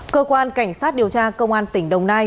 cơ quan cảnh sát điều tra công an tp đồng xoài